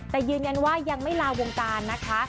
แต่ยืนยันว่ายังไม่ลาวงการนะคะ